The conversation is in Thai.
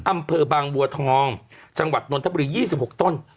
อำเภอบางบัวทองจังหวัดนทบริยี่สิบหกต้น